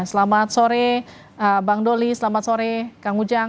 selamat sore bang doli selamat sore kang ujang